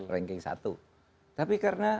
ranking satu tapi karena